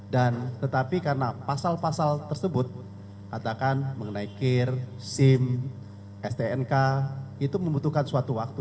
dan tetapi karena pasal pasal tersebut katakan mengenai kir sim stnk itu membutuhkan suatu waktu